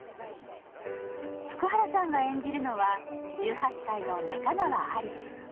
福原さんが演じるのは１８歳の仲川有栖。